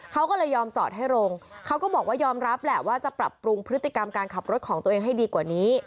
เขาก็เลยยอมจอดให้ลงเขาก็บอกว่ายอมรับแหละว่าจะปรับปรุงพฤติกรรมการขับรถของตัวเองให้ดีกว่านี้